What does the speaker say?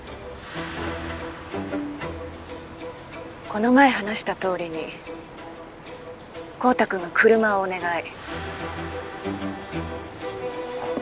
この前話した通りに昊汰君は車をお願い。